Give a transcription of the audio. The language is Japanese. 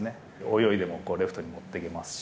泳いでもレフトへ持っていけますし、